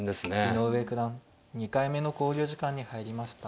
井上九段２回目の考慮時間に入りました。